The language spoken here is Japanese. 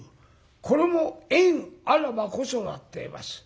これも「縁あらばこそだ」っていいます。